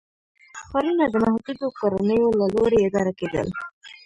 ښارونه د محدودو کورنیو له لوري اداره کېدل.